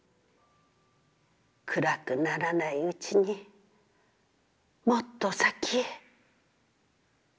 『暗くならないうちに、もっと先へ』